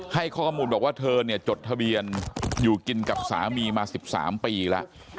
ให้ข้อมูลบอกว่าเธอเนี่ยจดทะเบียนอยู่กินกับสามีมา๑๓ปีแล้ว